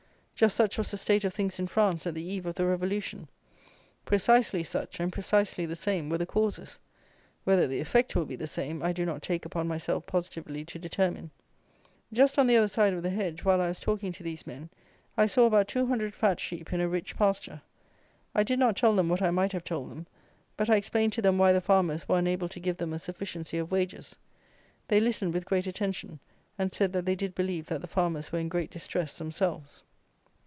Just such was the state of things in France at the eve of the revolution! Precisely such; and precisely the same were the causes. Whether the effect will be the same I do not take upon myself positively to determine. Just on the other side of the hedge, while I was talking to these men, I saw about two hundred fat sheep in a rich pasture. I did not tell them what I might have told them; but I explained to them why the farmers were unable to give them a sufficiency of wages. They listened with great attention; and said that they did believe that the farmers were in great distress themselves.